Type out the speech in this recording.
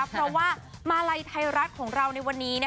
เพราะว่ามาลัยไทยรัฐของเราในวันนี้